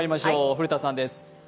古田さんです。